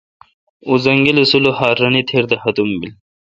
اں زنگلہ سلوخار رنے تیر دا ختم بیل۔